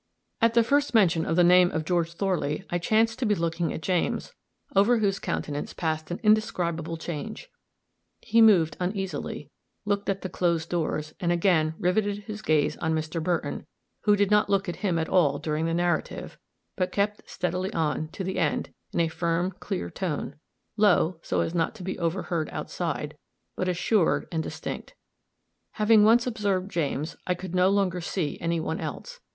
At the first mention of the name of George Thorley I chanced to be looking at James, over whose countenance passed an indescribable change; he moved uneasily, looked at the closed doors, and again riveted his gaze on Mr. Burton, who did not look at him at all during the narrative, but kept steadily on, to the end, in a firm, clear tone, low, so as not to be overheard outside, but assured and distinct. Having once observed James, I could no longer see any one else.